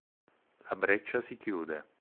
La breccia si chiude.